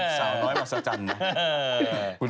สาวน้อยมาสัจจันนะ